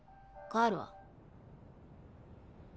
帰るわ。